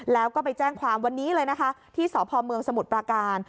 แล้วก็ไปแจ้งความวันนี้เลยนะคะที่สพเมืองสมุทรปราการ